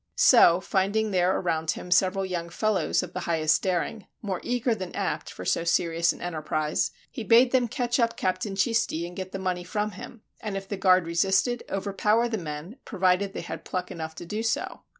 So, finding there around him several young fellows of the highest daring, more eager than apt for so serious an enterprise, he bade them catch up Captain Cisti and get the money from him, and if the guard resisted, overpower the men, provided they had pluck enough to do so.